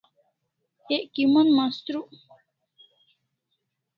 Ek kimon mastruk